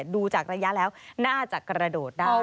ดูจากระยะแล้วน่าจะกระโดดได้